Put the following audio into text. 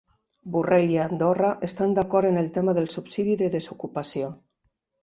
Borrell i Andorra estan d'acord en el tema del subsidi de desocupació